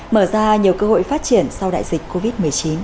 mở ra nhiều cơ hội phát triển sau đại dịch covid một mươi chín